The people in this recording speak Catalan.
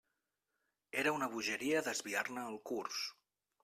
Era una bogeria desviar-ne el curs.